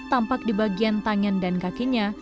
tampak di bagian tangan dan kakinya